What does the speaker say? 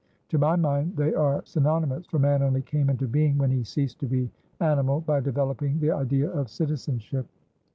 To my mind they are synonymous, for Man only came into being when he ceased to be animal by developing the idea of citizenship.